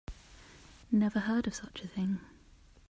Never heard of such a thing.